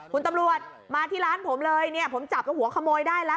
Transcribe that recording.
คุณตำรวจมาที่ร้านผมเลยเนี่ยผมจับหัวขโมยได้แล้ว